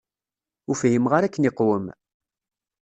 Ur fhimeɣ ara akken iqwem.